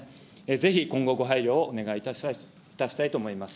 ぜひ、今後、ご配慮をお願いいたしたいと思います。